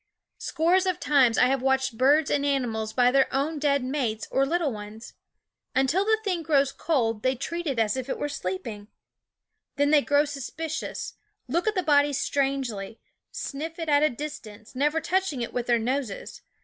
Scores of times I have watched birds and animals by their own dead mates or little ^ ones. Until the thing grows cold they treat f 1 SCHOOL OF it as if it were sleeping. Then they grow suspicious, look at the body strangely, sniff it at a distance, never touching it with their noses.